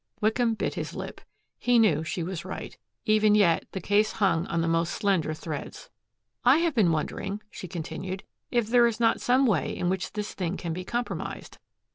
Wickham bit his lip. He knew she was right. Even yet the case hung on the most slender threads. "I have been wondering," she continued, "if there is not some way in which this thing can be compromised."